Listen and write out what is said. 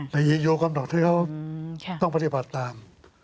โยกำหนดที่เขาต้องปฏิบัติตาม